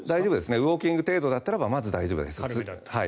ウォーキング程度だったらばまず大丈夫です。